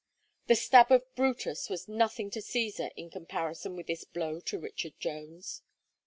The stab of Brutus was nothing to Caesar in comparison with this blow to Richard Jones.